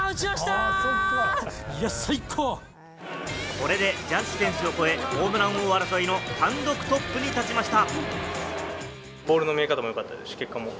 これでジャッジ選手を超え、ホームラン王争いの単独トップに立ちました。